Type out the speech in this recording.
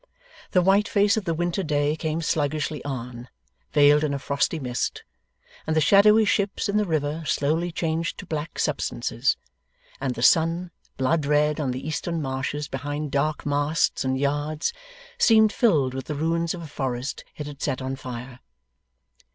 The white face of the winter day came sluggishly on, veiled in a frosty mist; and the shadowy ships in the river slowly changed to black substances; and the sun, blood red on the eastern marshes behind dark masts and yards, seemed filled with the ruins of a forest it had set on fire.